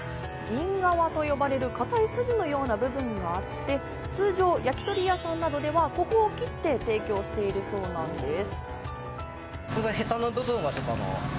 銀皮と呼ばれる、硬い筋の部分があって、通常、焼き鳥屋さんなどでは、ここを切って、提供しているそうなんです。